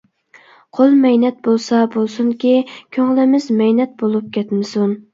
قول مەينەت بولسا بولسۇنكى، كۆڭلىمىز مەينەت بولۇپ كەتمىسۇن.